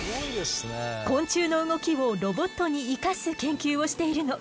昆虫の動きをロボットに生かす研究をしているの。